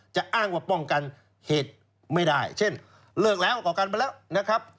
จะอ้างว่าป้องกันเหตุไม่ได้เช่นเลิกแล้วก่อการไปแล้วนะครับ